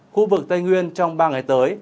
khu vực tây nguyên trong ba ngày tới